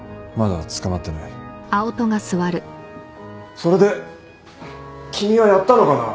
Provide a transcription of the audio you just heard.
それで君はやったのかな？